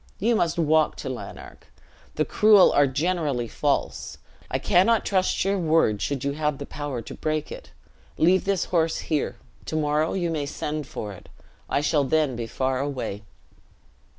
you must walk to Lanark. The cruel are generally false; I cannot trust your word, should you have the power to break it. Leave this horse here: to morrow you may send for it, I shall then be far away."